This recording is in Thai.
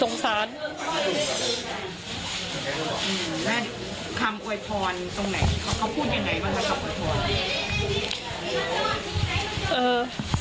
หลังจากผู้ชมไปฟังเสียงแม่น้องชมไป